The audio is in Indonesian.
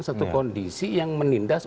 satu kondisi yang menindas